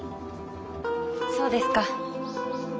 そうですか。